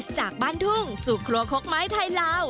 จากบ้านทุ่งสู่ครัวคกไม้ไทยลาว